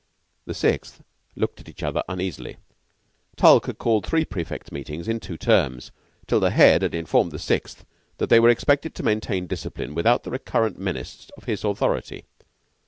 The Sixth looked at each other uneasily. Tulke had called three prefects' meetings in two terms, till the Head had informed the Sixth that they were expected to maintain discipline without the recurrent menace of his authority.